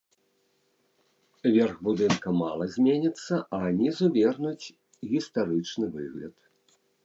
Верх будынка мала зменіцца, а нізу вернуць гістарычны выгляд.